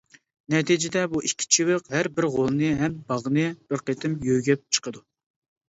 نەتىجىدە بۇ ئىككى چىۋىق ھەر بىر غولنى ھەم باغنى بىر قېتىم يۆگەپ چىقىدۇ.